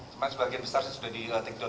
cuman sebagian besar sudah di take down